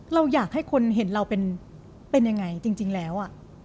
เราอยากให้คนเห็นเราเป็นยังไงจริงแล้ว